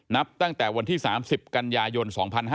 นับตั้งแต่วันที่๓๐กันยายน๒๕๕๙